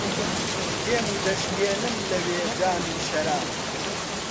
دێم و دەشکێنم لەوێ جامی شەراب